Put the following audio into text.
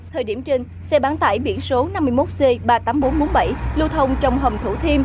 thời điểm trên xe bán tải biển số năm mươi một c ba mươi tám nghìn bốn trăm bốn mươi bảy lưu thông trong hầm thủ thiêm